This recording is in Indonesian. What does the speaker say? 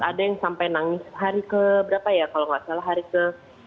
ada yang sampai nangis hari keberapa ya kalau nggak salah hari ke dua belas